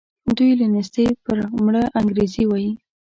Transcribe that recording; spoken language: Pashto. دوی له نېستي پر مړه انګرېږي وايي.